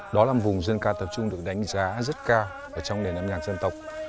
đó là vùng dân ca tập trung được đánh giá rất cao trong nền âm nhạc dân tộc